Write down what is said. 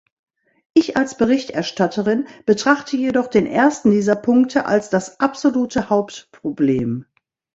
Ich als Berichterstatterin betrachte jedoch den ersten dieser Punkte als das absolute Hauptproblem.